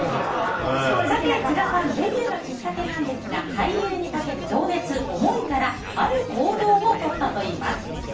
津田さんデビューのきっかけなんですが俳優にかける情熱、思いからある行動をとったといいます。